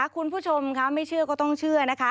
คุณผู้ชมครับไม่เชื่อก็ต้องเชื่อ